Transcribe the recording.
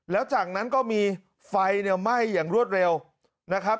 แล้วจากนั้นก็มีไฟเนี่ยไหม้อย่างรวดเร็วนะครับ